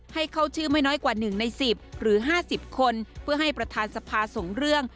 ให้เข้าชื่อไม่น้อยกว่า๑ใน๑๐หรือ๕๐คนเพื่อให้ประธานสภาส่งเรื่อง